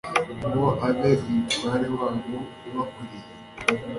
ngo abe umutware waho ubakuriye.